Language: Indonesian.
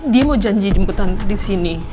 dia mau janji jemput tante di sini